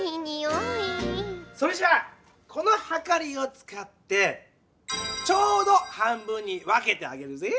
それじゃあこのはかりをつかってちょうど半分にわけてあげるぜぇ！